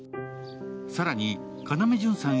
更に、要潤さん